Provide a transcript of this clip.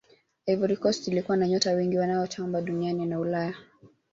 ivory coast ilikuwa na nyota wengi wanaotamba duniani na ulaya